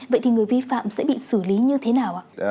vậy thì người vi phạm sẽ bị xử lý như thế nào ạ